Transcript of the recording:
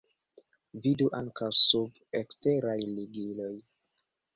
Vidu ankaŭ sub 'Eksteraj ligiloj'.